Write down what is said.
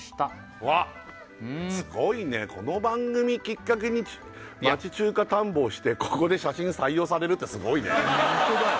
うわすごいねこの番組きっかけに町中華探訪してここで写真採用されるってすごいね本当だよ